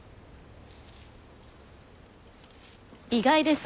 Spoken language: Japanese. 意外です。